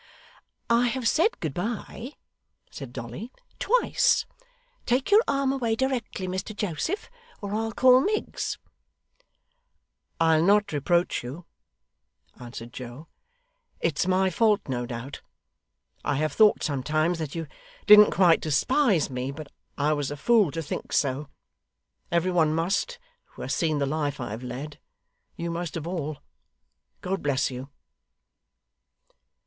'I have said good bye,' said Dolly, 'twice. Take your arm away directly, Mr Joseph, or I'll call Miggs.' 'I'll not reproach you,' answered Joe, 'it's my fault, no doubt. I have thought sometimes that you didn't quite despise me, but I was a fool to think so. Every one must, who has seen the life I have led you most of all. God bless you!